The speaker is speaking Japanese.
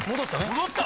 戻った！